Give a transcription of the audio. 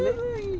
ya tidak pernah